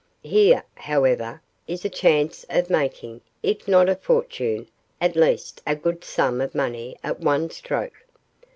Here, however, is a chance of making, if not a fortune, at least a good sum of money at one stroke.